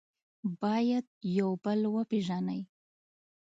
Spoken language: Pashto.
باید یو بل وپېژنئ.